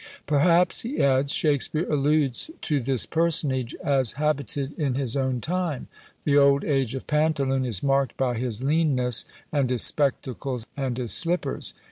Perhaps, he adds, Shakspeare alludes to this personage, as habited in his own time. The old age of Pantaloon is marked by his leanness, and his spectacles and his slippers.